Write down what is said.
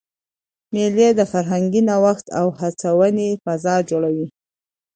مېلې د فرهنګي نوښت او هڅوني فضا جوړوي.